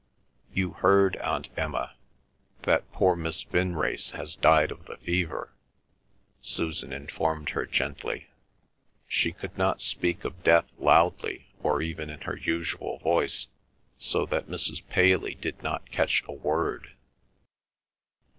"You heard, Aunt Emma, that poor Miss Vinrace has died of the fever," Susan informed her gently. She could not speak of death loudly or even in her usual voice, so that Mrs. Paley did not catch a word.